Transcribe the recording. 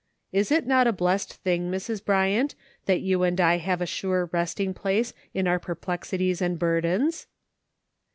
" Is it not a blessed thing, Mrs. Bryant, that you and I have a sure resting place in our jjerplexities and burdens?"